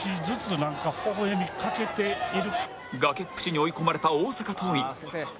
崖っぷちに追い込まれた大阪桐蔭